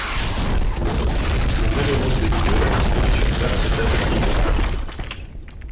Un malheureux éboueur venu sur place est assassiné.